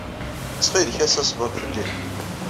Ttxil-k, ass-a ṣber fell-i.